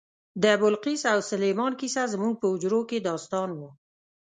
د بلقیس او سلیمان کیسه زموږ په حجرو کې داستان و.